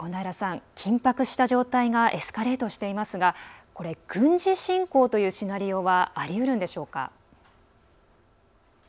緊迫した状態がエスカレートしていますがこれ、軍事侵攻というシナリオはありうるんでしょうか？